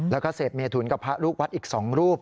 แล้วก็เสพเมถุนกับพระลูกวัดอีก๒รูป